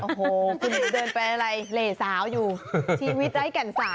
โอ้โหคุณอยู่เดินไปอะไรเหล่สาวอยู่ชีวิตไร้แก่นสาว